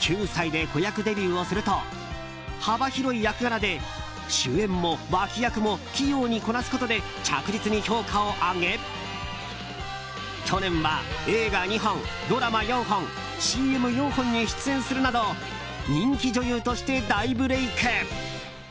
９歳で子役デビューすると幅広い役柄で主演も脇役も器用にこなすことで着実に評価を上げ去年は映画２本、ドラマ４本ＣＭ４本に出演するなど人気女優として大ブレーク。